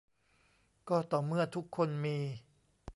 ก็ต่อเมื่อทุกคนมี